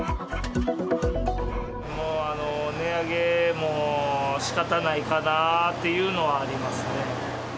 もう値上げもしかたないかなっていうのはありますね。